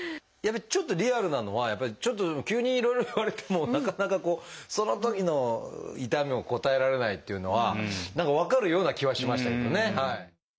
やっぱりちょっとリアルなのはちょっと急にいろいろ言われてもなかなかこうそのときの痛みを答えられないっていうのは何か分かるような気はしましたけどね。